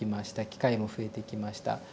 機会も増えてきました。